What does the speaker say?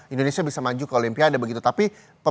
indonesia bisa maju ke olimpiade begitu tapi